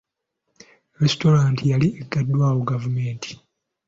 Restaurant yali eggaddwawo gavumenti.